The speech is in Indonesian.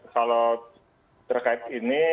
kalau terkait ini